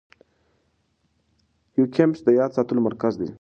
هیپوکمپس د یاد ساتلو مرکز دی.